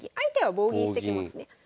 棒銀してきますね。